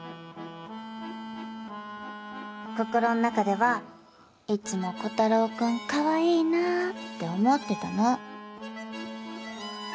心の中では「いつも炬太郎くんかわいいなぁ」って思ってたの。